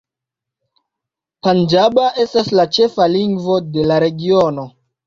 Panĝaba estas la ĉefa lingvo de la regiono.